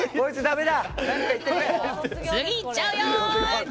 次、いっちゃうよ！